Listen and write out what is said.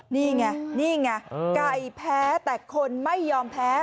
นี่ไงนี่ไงไก่แพ้แต่คนไม่ยอมแพ้